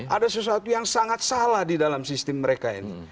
ada sesuatu yang sangat salah di dalam sistem mereka ini